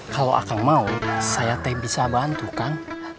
kalau akan mau saya teh bisa bantu kang